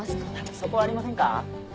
そこありませんか？